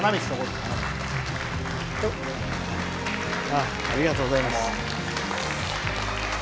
ありがとうございます。